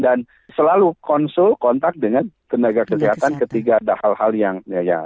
dan selalu konsul kontak dengan tenaga kesehatan ketiga hal hal yang